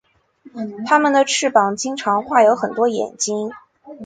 他们的翅膀经常画有很多眼睛。